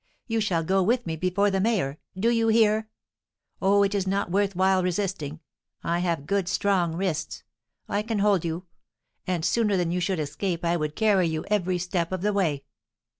You shall go with me before the mayor; do you hear? Oh, it is not worth while resisting! I have good strong wrists; I can hold you. And sooner than you should escape I would carry you every step of the way."